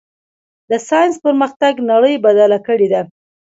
د ساینس پرمختګ نړۍ بدله کړې ده.